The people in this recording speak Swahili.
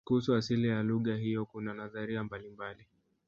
kuhusu asili ya lugha hiyo kuna nadharia mbalimbali